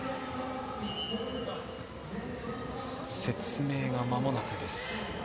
説明が間もなくです。